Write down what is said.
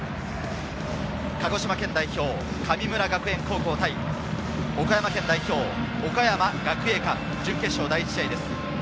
鹿児島県代表・神村学園対岡山県代表・岡山学芸館、準決勝第１試合です。